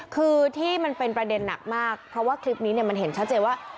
คือที่มันเป็นประเด็นหนักมากเพราะว่าคลิปนี้มันเห็นชัดเจนว่า